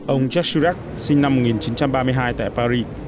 ông jacques girard sinh năm một nghìn chín trăm ba mươi hai tại paris